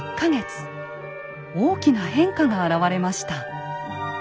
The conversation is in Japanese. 大きな変化が現れました。